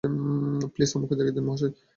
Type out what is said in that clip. Please, আম্মুকে জাগিয়ে দিন, মহাশয়।